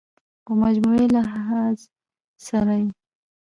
خو مجموعي لحاظ سره ئې